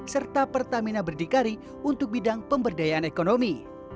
serta pertamina berdikari untuk bidang pemberdayaan ekonomi